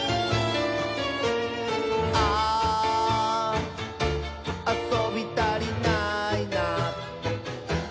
「あーあそびたりないな」